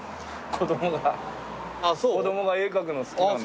子供が絵描くの好きなんで。